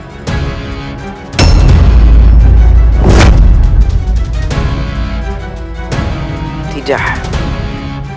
pajajaran tidak boleh jatuh ke tangan mereka